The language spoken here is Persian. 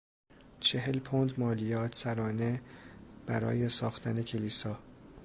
چهل پوند مالیات سرانه برای ساختن کلیسا